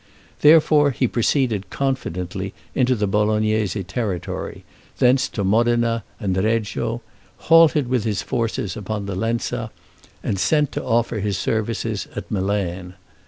Therefore, he proceeded confidently into the Bolognese territory, thence to Modena and Reggio, halted with his forces upon the Lenza, and sent to offer his services at Milan.